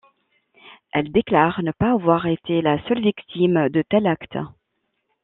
Elle déclare ne pas avoir été la seule victime de tels actes.